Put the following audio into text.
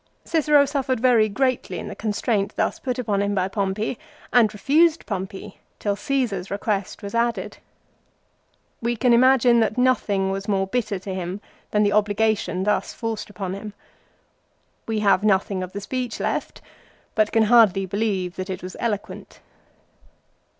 Cicero suffered very greatly in the constraint thus put upon him by Pompey, and refused Pompey till Caesar's request was added. "We can imagine that nothing was more bitter to him than the obligation thus forced upon him. We have nothing of the speech left, but can hardly believe that it was eloquent.